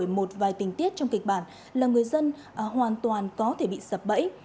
một vài tình tiết trong kịch bản là người dân hoàn toàn có thể bị sập bẫy